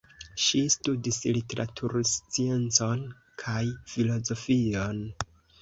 Ŝi studis literatursciencon kaj filozofion.